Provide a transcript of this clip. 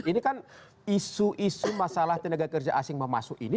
ini kan isu isu masalah tenaga kerja asing memasuk ini